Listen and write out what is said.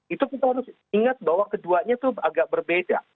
itu kita harus ingat bahwa keduanya itu agak berbeda